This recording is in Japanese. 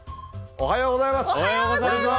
おはようございます。